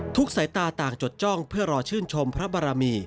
สายตาต่างจดจ้องเพื่อรอชื่นชมพระบารมี